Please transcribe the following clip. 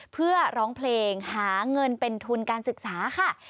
เพื่อร้องเพลงหาเงินเป็นทุนการศึกษาค่ะ